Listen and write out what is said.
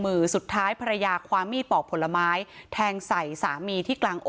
สุดท้ายภรรยาความมีดปอกผลไม้แทงใส่สามีที่กลางอก